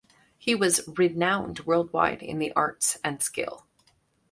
He was renowned worldwide in the arts and skill.